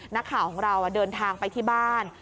นักข่าวของเราเดินทางไปที่บ้าน